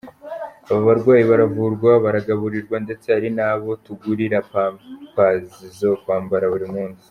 Aba barwayi baravurwa, baragaburirwa ndetse hari nabo tugurira ‘pampers’ zo kwambara buri munsi.